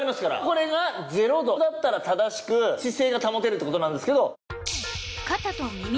これが０度だったら正しく姿勢が保てるってことなんですけど。